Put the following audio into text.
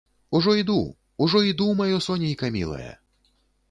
Ужо іду, ужо іду, маё сонейка мілае!